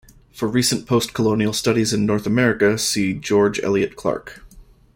For recent post-colonial studies in North America see George Elliott Clarke.